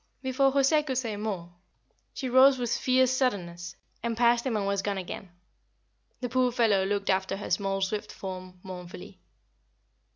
Before José could say more she rose with fierce suddenness, and passed him and was gone again. The poor fellow looked after her small swift form mournfully.